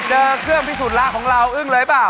เจอเครื่องพิสูจน์ละของเราอึ้งเลยเปล่า